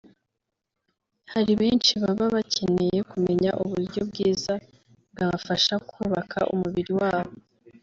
Hari benshi baba bakeneye kumenya uburyo bwiza bwabafasha kubaka umubiri wabo